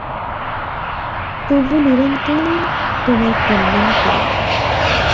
প্রভু নিরন্তর তোমার কল্যাণ করুন।